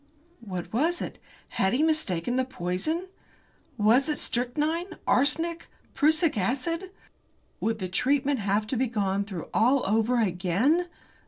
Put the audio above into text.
What was it? Had he mistaken the poison? Was it strychnine, arsenic, prussic acid? Would the treatment have to be gone through all over again?